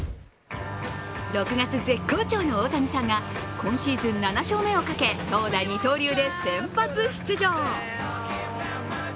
６月絶好調の大谷さんが今シーズン７勝目をかけ投打二刀流で先発出場。